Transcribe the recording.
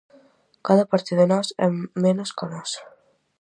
Cada parte de nós é menos ca nós.